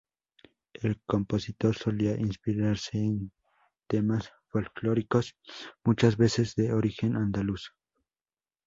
El compositor solía inspirarse en temas folclóricos muchas veces de origen andaluz.